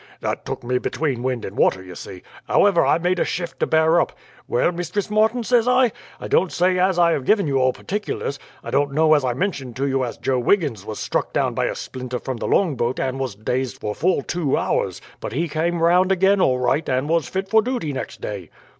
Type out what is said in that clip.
"That took me between wind and water, you see. However, I made a shift to bear up. "'Well, Mistress Martin,' says I, 'I don't say as I have given you all particulars. I don't know as I mentioned to you as Joe Wiggins was struck down by a splinter from the longboat and was dazed for full two hours, but he came round again all right, and was fit for duty next day.'